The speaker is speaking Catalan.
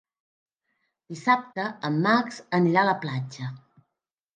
Dissabte en Max anirà a la platja.